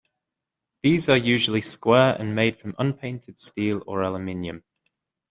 These are usually square and made from unpainted steel or aluminium.